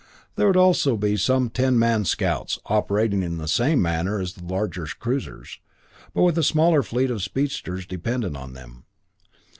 There would also be some ten man scouts, operating in the same manner as the larger cruisers, but with a smaller fleet of speedsters dependent on them.